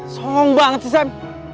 song banget sih sam